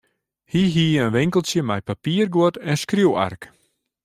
Hy hie in winkeltsje mei papierguod en skriuwark.